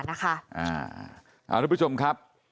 ทุกผู้ชมครับ